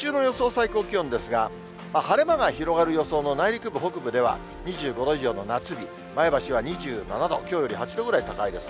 最高気温ですが、晴れ間が広がる予想の内陸部北部では、２５度以上の夏日、前橋は２７度、きょうより８度ぐらい高いです。